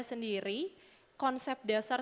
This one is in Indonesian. sendiri konsep dasar